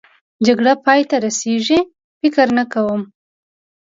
جګړه پای ته رسېږي؟ فکر نه کوم.